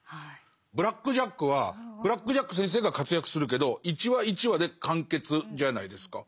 「ブラック・ジャック」はブラック・ジャック先生が活躍するけど一話一話で完結じゃないですか。